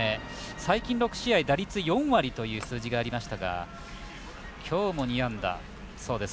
最近６試合、打率４割という数字がありましたが今日も２安打。